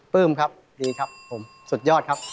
ปลื้มครับดีครับผมสุดยอดครับ